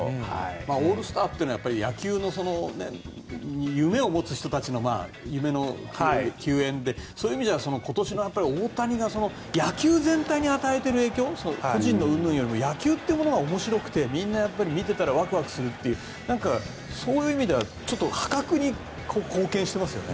オールスターというのは野球の夢を持つ人たちの夢の球宴でそういう意味では今年の大谷が野球全体に与えている影響個人のうんぬんよりも野球というものが面白くてみんな見てたらワクワクするっていうそういう意味では貢献していますよね。